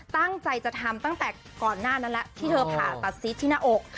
ตั้งใจจะทำตั้งแต่ก่อนหน้านั้นแล้วที่เธอผ่าตัดซีดที่หน้าอก